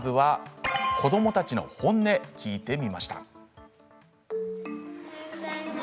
子どもたちの本音聞いてみました。